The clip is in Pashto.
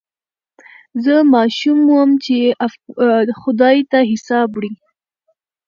زه ماشوم وم چي یې خدای ته حساب وړی